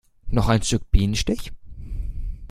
Noch ein Stück Bienenstich?